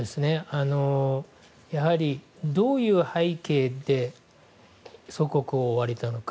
やはりどういう背景で祖国を追われたのか。